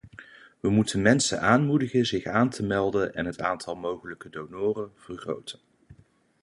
We moeten mensen aanmoedigen zich aan te melden en het aantal mogelijke donoren vergroten.